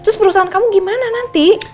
terus perusahaan kamu gimana nanti